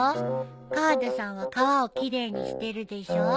川田さんは川を奇麗にしてるでしょ。